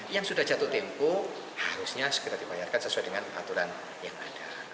yang sudah jatuh tempo harusnya segera dibayarkan sesuai dengan aturan yang ada